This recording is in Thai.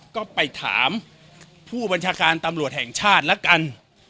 ก็ไปถามผู้บัญชาการตำรวจแห่งชาติแล้วกัน